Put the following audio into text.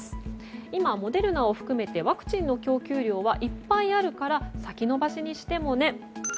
今、モデルナを含めてワクチンの供給量はいっぱいあるから先延ばしにしてもね。